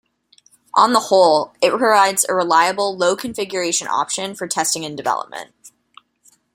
On the whole, it provides a reliable, low configuration option for testing in development.